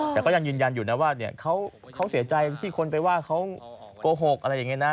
แต่ก็ยังยืนยันอยู่นะว่าเขาเสียใจที่คนไปว่าเขาโกหกอะไรอย่างนี้นะ